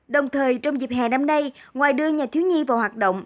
đồng thời trong dịp hè năm nay ngoài đưa nhà thiếu nhi vào hoạt động